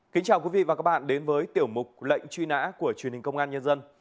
kính chào quý vị và các bạn đến với tiểu mục lệnh truy nã của truyền hình công an nhân dân